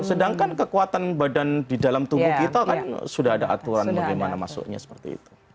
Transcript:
sedangkan kekuatan badan di dalam tubuh kita kan sudah ada aturan bagaimana masuknya seperti itu